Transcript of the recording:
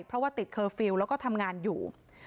เพราะว่าติดเคอร์ฟิลล์แล้วก็ทำงานอยู่